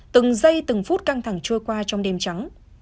từng giây từng phút căng thẳng trôi qua trong đêm trắng